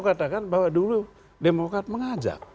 saya mau katakan bahwa dulu demokrat mengajak